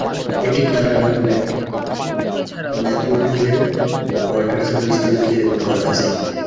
এটি কানাডার ম্যাপল রিজের ওয়াটারসাউন্ড স্টুডিওতে রেকর্ড করা হয়েছিল।